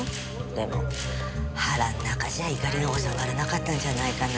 でも腹ん中じゃ怒りが収まらなかったんじゃないかな。